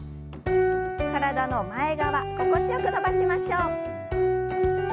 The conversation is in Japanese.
体の前側心地よく伸ばしましょう。